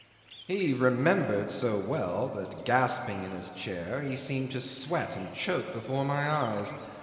'He remembered so well that, gasping in the chair, he seemed to sweat and choke before my eyes.